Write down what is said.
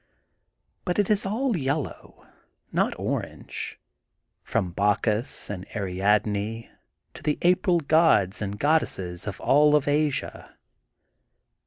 But it is all yellow, not orange: — ^from Bacchus and Ariadne to the April gods and goddesses of all of Asia.